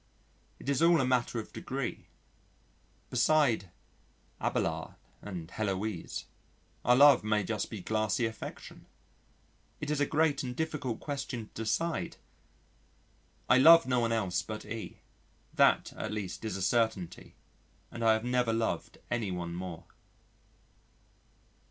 It is all a matter of degree. Beside Abélard and Héloïse, our love may be just glassy affection. It is a great and difficult question to decide. I love no one else but E , that, at least, is a certainty, and I have never loved anyone more.